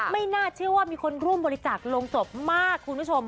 ไม่น่าเชื่อว่ามีคนร่วมบริจาคลงศพมากคุณผู้ชม